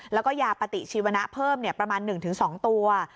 แล้วก็ยาปฏิชีวนะเพิ่มประมาณ๑๒ตัว